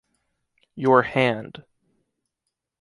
Your hand.